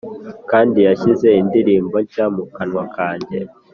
Kandi yashyize indirimbo nshya mu kanwa kanjye